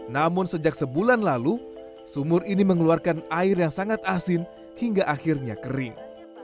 namun sejak sebulan lalu sumur ini mengeluarkan air yang sangat asin hingga akhirnya kering